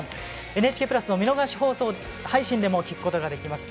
ＮＨＫプラスの見逃し配信でも聞くことができます。